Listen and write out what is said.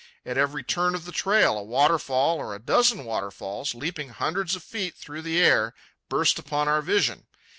At every turn of the trail a waterfall or a dozen waterfalls, leaping hundreds of feet through the air, burst upon our vision.